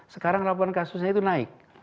sekarang laporan kasusnya itu naik